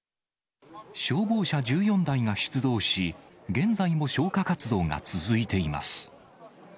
消防車１４台が出動し、現在も消火活動が続いています。